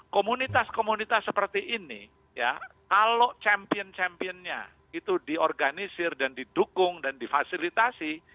komunitas komunitas seperti ini ya kalau champion championnya itu diorganisir dan didukung dan difasilitasi